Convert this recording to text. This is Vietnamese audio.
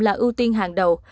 là ưu tiên hàng đầu